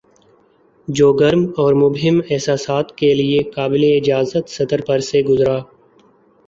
جو گرم اور مبہم احساسات کے لیے قابلِاجازت سطر پر سے گزرا